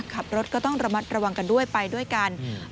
ขับรถก็ต้องระมัดระวังกันด้วยไปด้วยกัน